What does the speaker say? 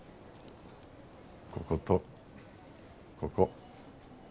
こことここ。